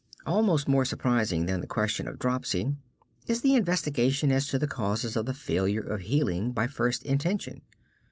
Almost more surprising than the question of dropsy is the investigation as to the causes of the failure of healing by first intention.